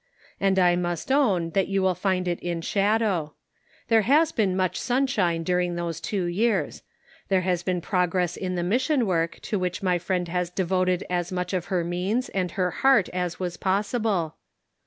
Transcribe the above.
And I must own that you will find it in shadow. There has been much sunshine during those two years. There has been prog ress in the mission work to which my friend has devoted as much of her means and her heart as was possible.